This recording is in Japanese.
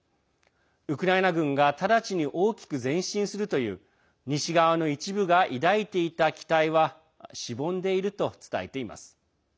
ウクライナ軍が直ちに大きく前進するという西側の一部が抱いていた期待はしぼんでいると伝えています。